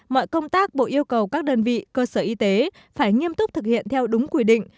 mọi công tác bộ yêu cầu các đơn vị cơ sở y tế phải nghiêm túc thực hiện theo đúng quy định